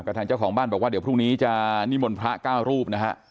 ทางเจ้าของบ้านบอกว่าเดี๋ยวพรุ่งนี้จะนิมนต์พระเก้ารูปนะฮะ